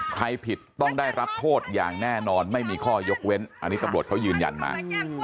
ผิดต้องได้รับโทษอย่างแน่นอนไม่มีข้อยกเว้นอันนี้ตำรวจเขายืนยันมา